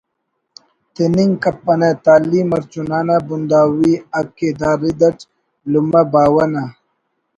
تننگ کپنہ تعلیم ہر چنا نا بنداوی حق ءِ دا رد اٹ لمہ باوہ نا